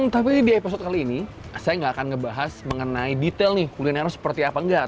tapi di episode kali ini saya tidak akan membahas mengenai detail kuliner seperti apa enggak